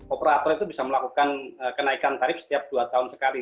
operator itu bisa melakukan kenaikan tarif setiap dua tahun sekali